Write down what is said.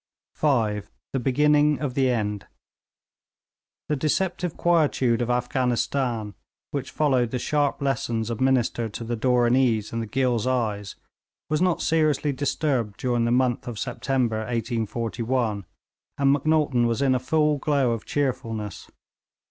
CHAPTER V: THE BEGINNING OF THE END The deceptive quietude of Afghanistan which followed the sharp lessons administered to the Dooranees and the Ghilzais was not seriously disturbed during the month of September 1841, and Macnaghten was in a full glow of cheerfulness.